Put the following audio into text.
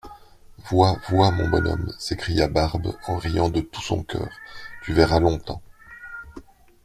Vois, vois, mon bonhomme, s'écria Barbe en riant de tout son coeur, tu verras longtemps.